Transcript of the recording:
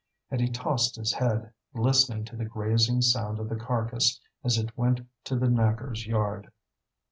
And he tossed his head, listening to the grazing sound of the carcass as it went to the knacker's yard.